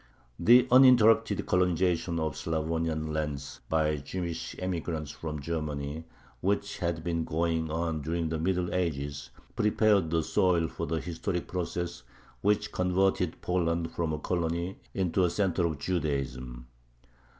The uninterrupted colonization of Slavonian lands by Jewish emigrants from Germany, which had been going on during the Middle Ages, prepared the soil for the historic process which converted Poland from a colony into a center of Judaism.